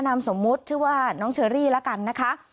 นามสมมุติชื่อว่าน้องเชอรี่แล้วกันนะคะ